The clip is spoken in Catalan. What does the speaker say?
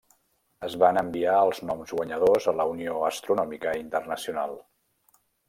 Es van enviar els noms guanyadors a la Unió Astronòmica Internacional.